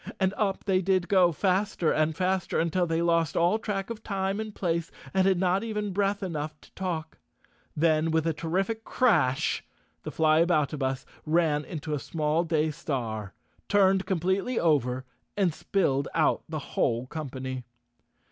And up they did go, faster and faster, until they lost all track of time and place and had not even breath enough to 217 The Cowardly Lion of Oz _ talk. Then, with a terrific crash, the Flyaboutabus ran into a small day star, turned completely over and spilled out the whole company.